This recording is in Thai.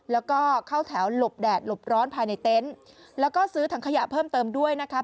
แล้วก็เข้าแถวหลบแดดหลบร้อนภายในเต็นต์แล้วก็ซื้อถังขยะเพิ่มเติมด้วยนะคะ